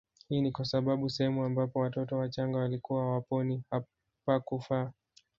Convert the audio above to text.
Hii ni kwa sababu sehemu ambapo watoto wachanga walikuwa hawaponi hapakufaa